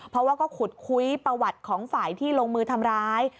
เพราะว่าก็ขุดคุยประวัติของฝ่ายที่ลงมือทำร้าย